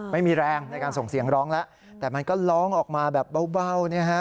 ไม่มีแรงในการส่งเสียงร้องแล้วแต่มันก็ร้องออกมาแบบเบานะฮะ